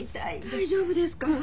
大丈夫ですか？